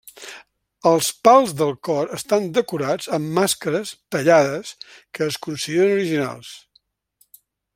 Els pals del cor estan decorats amb mascares tallades que es consideren originals.